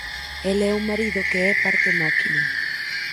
El é un marido que é parte máquina